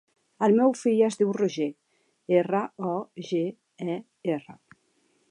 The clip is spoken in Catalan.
El meu fill es diu Roger: erra, o, ge, e, erra.